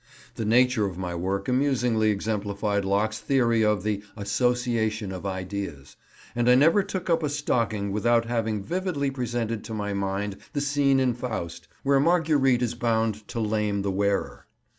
The nature of my work amusingly exemplified Locke's theory of the "Association of Ideas," and I never took up a stocking without having vividly presented to my mind the scene in "Faust," where Marguerite is bound to lame the wearer.